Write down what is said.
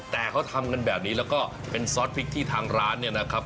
แต่เขาทำกันแบบนี้แล้วก็เป็นซอสพริกที่ทางร้านเนี่ยนะครับ